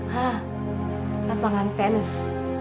hah lapangan tennis